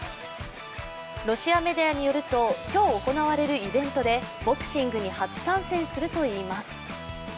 ロシアメディアによると、今日行われるイベントでボクシングに初参戦するといいます。